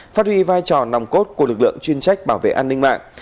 phát huy vai trò nòng cốt của lực lượng chuyên trách bảo vệ an ninh mạng